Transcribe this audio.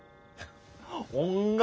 音楽！